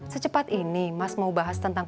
secepat ini mas mau bahas tentang